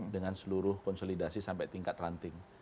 dengan seluruh konsolidasi sampai tingkat ranting